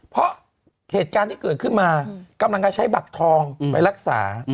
เพราะเหตุการณ์ที่เกิดขึ้นมากำลังจะใช้บัตรทองไปรักษา